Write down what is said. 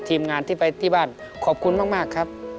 ทีมงานที่ไปที่บ้านขอบคุณมากครับ